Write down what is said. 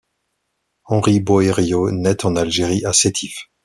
Henry Boério naît en Algérie, à Sétif.